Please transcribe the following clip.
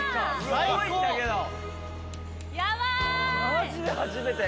マジで初めて。